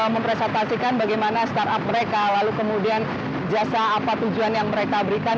mempresentasikan bagaimana startup mereka lalu kemudian jasa apa tujuan yang mereka berikan